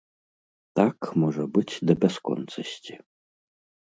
Так можа быць да бясконцасці.